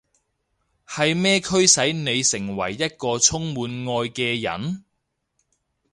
係咩驅使你成為一個充滿愛嘅人？